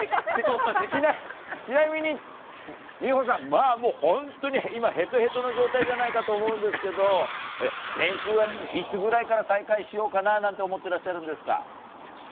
ちなみに美帆さん、本当に今へとへとの状態じゃないかと思うんですけど練習はいつぐらいから再開しようかなと思っていらっしゃるんですか？